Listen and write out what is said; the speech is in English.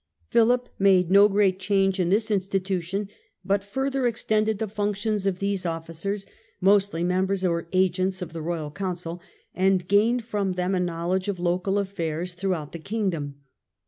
Philip made no great change in this institution, but further extended the functions of these officers, mostly members or agents of the royal Council, and gained from them a knowledge of local affairs throughout the Kingdom.